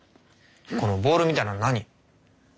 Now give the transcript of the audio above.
このボールみたいなの何？